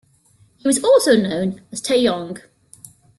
He was also known as Taejong.